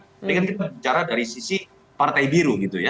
jadi kita bicara dari sisi partai biru